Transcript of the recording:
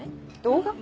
動画？